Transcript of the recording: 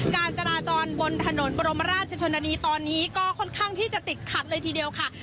การจราจรบนถนนบรมราชชนนานีตอนนี้ก็ค่อนข้างที่จะติดขัดเลยทีเดียวค่ะ